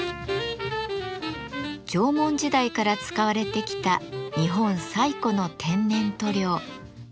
縄文時代から使われてきた日本最古の天然塗料漆。